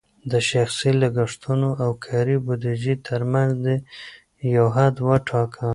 د شخصي لګښتونو او کاري بودیجې ترمنځ دې یو حد وټاکه.